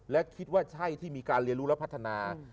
และคิดว่าใช่ที่มีการเรียนรู้และพัฒนา